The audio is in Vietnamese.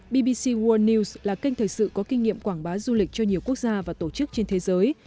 bbc world news là kênh thời sự có kinh nghiệm quảng bá du lịch cho nhiều quốc gia và tổ chức trên thế giới